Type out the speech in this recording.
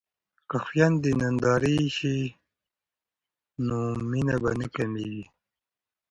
که خویندې نندرې شي نو مینه به نه کمیږي.